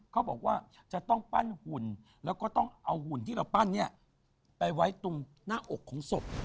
เขาบอกว่าจะต้องปั้นหุ่นแล้วก็ต้องเอาหุ่นที่เราปั้นเนี่ยไปไว้ตรงหน้าอกของศพ